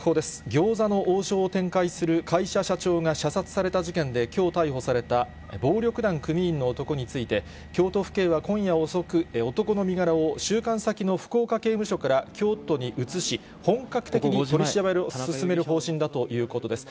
餃子の王将を展開する会社社長が射殺された事件で、きょう逮捕された、暴力団組員の男について、京都府警は今夜遅く、男の身柄を収監先の福岡刑務所から京都に移し、本格的に取り調べを進める方針だということです。